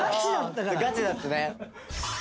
ガチだったね。